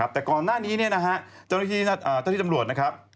แต่ก่อนหน้านี้เจ้าหน้าที่ตำรวจนะครับ